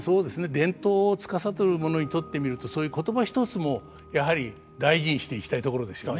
伝統をつかさどる者にとってみるとそういう言葉一つもやはり大事にしていきたいところですよね。